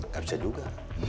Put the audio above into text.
gak bisa juga